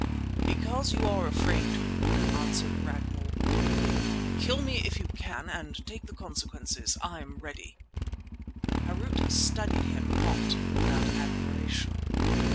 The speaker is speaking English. "Because you are afraid to," answered Ragnall boldly. "Kill me if you can and take the consequences. I am ready." Harût studied him not without admiration.